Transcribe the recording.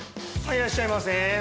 いらっしゃいませ。